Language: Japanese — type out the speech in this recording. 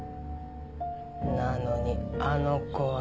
なのにあの子は。